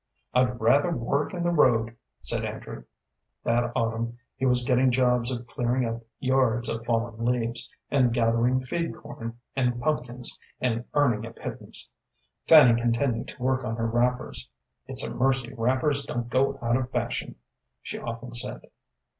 "I'd rather work in the road," said Andrew. That autumn he was getting jobs of clearing up yards of fallen leaves, and gathering feed corn and pumpkins, and earning a pittance. Fanny continued to work on her wrappers. "It's a mercy wrappers don't go out of fashion," she often said.